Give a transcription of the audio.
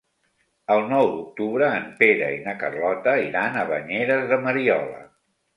El nou d'octubre en Pere i na Carlota iran a Banyeres de Mariola.